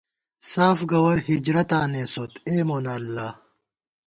ساف گوَر ہجرتاں نېسوت، اےمونہ اللہ